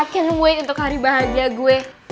i can't wait untuk hari bahagia gue